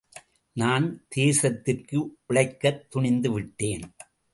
நான் தேசத்திற்கு உழைக்கத் துணிந்து விட்டேன்.